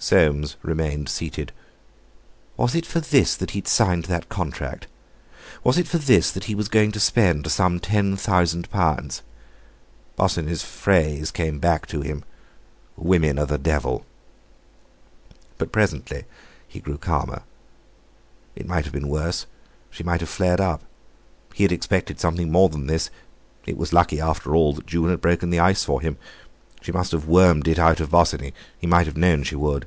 Soames remained seated. Was it for this that he had signed that contract? Was it for this that he was going to spend some ten thousand pounds? Bosinney's phrase came back to him: "Women are the devil!" But presently he grew calmer. It might have been worse. She might have flared up. He had expected something more than this. It was lucky, after all, that June had broken the ice for him. She must have wormed it out of Bosinney; he might have known she would.